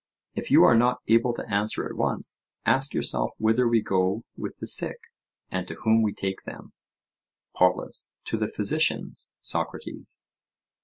If you are not able to answer at once, ask yourself whither we go with the sick, and to whom we take them. POLUS: To the physicians, Socrates.